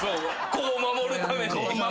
子を守るために。